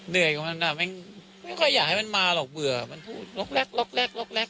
เหนื่อยกว่ามันไม่ค่อยอยากให้มันมาหรอกเบื่อมันพูดล็อกแรกล็อกแรกล็อกแรก